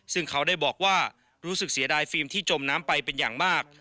ซึ่งเขาได้บอกว่ารู้สึกเสียดายฟิล์มที่จมน้ำไปเป็นอย่างมาก